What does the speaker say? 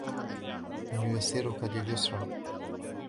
وَنُيَسِّرُكَ لِلْيُسْرَى